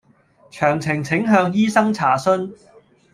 詳情請向醫生查詢